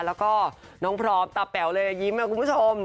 แล้วก็น้องพร้อมตาแป๋วเลยยิ้มค่ะคุณผู้ชม